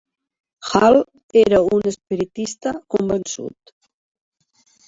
Hall era un espiritista convençut.